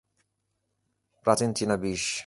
প্রাচীন চীনা বিষ।